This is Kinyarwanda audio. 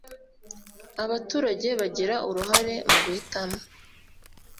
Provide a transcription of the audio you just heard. Abaturage bagira uruhare mu guhitamo.